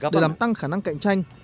để làm tăng khả năng cạnh tranh